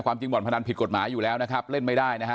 จริงบ่อนพนันผิดกฎหมายอยู่แล้วนะครับเล่นไม่ได้นะฮะ